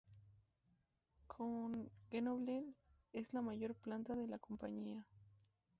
Con Grenoble, es la mayor planta de la compañía.